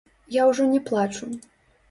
Я ўжо не плачу.